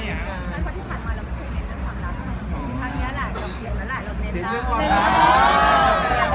ว่าที่ผ่านมาเราไม่เคยเรียกรับความรับ